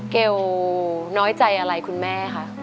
เกลน้อยใจอะไรคุณแม่คะ